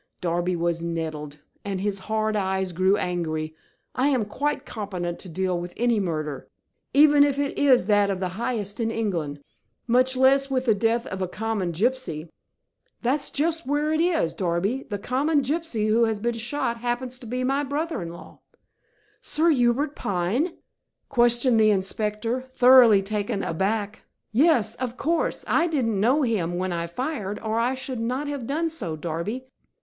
Darby was nettled, and his hard eyes grew angry. "I am quite competent to deal with any murder, even if it is that of the highest in England, much less with the death of a common gypsy." "That's just where it is, Darby. The common gypsy who has been shot happens to be my brother in law." "Sir Hubert Pine?" questioned the inspector, thoroughly taken aback. "Yes! Of course I didn't know him when I fired, or I should not have done so, Darby.